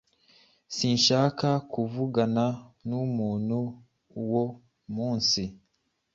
Sinshaka kuvugana numuntu uwo munsi.